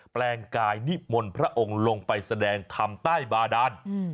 แปลงกายนิมนต์พระองค์ลงไปแสดงธรรมใต้บาดาน